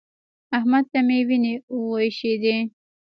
احمد ته مې وينې وايشېدې.